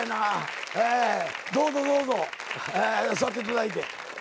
どうぞどうぞ座っていただいて。